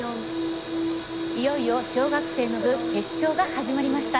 いよいよ小学生の部決勝が始まりました。